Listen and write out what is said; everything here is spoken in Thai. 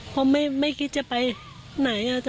เพราะไม่คิดจะไปไหนอ่ะจ๊ะ